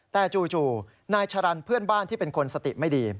แต่จู่นายชะรันเพื่อนบ้านที่เป็นคนสติไม่ดี